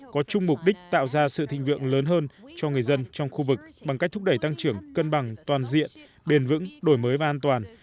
có chung mục đích tạo ra sự thịnh vượng lớn hơn cho người dân trong khu vực bằng cách thúc đẩy tăng trưởng cân bằng toàn diện bền vững đổi mới và an toàn